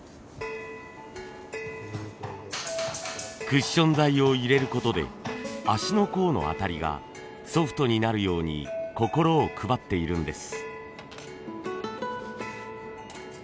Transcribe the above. クッション材を入れる事で足の甲の当たりがソフトになるように心を配っているんです。